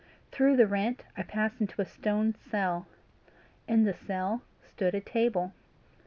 Through the rent I passed into a stone cell. In the cell stood a table.